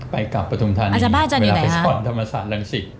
ไปกลับปฐมธานีเวลาไปสอนธรรมศาสตร์ลังศิษย์